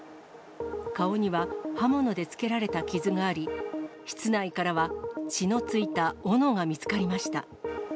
顔には刃物でつけられた傷があり、室内からは血のついたおのが見つかりました。